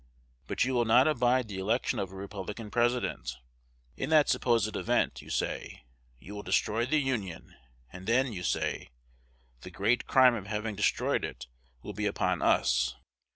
But you will not abide the election of a Republican President. In that supposed event, you say, you will destroy the Union; and then, you say, the great crime of having destroyed it will be upon us!